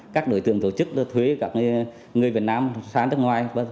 các đối tượng tổ chức thuê các người việt nam sang nước ngoài